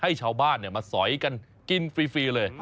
ให้ชาวบ้านมาสอยกันกินฟรีเลย